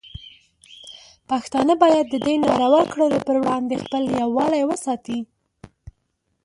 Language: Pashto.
پښتانه باید د دې ناروا کړنو پر وړاندې خپل یووالی وساتي.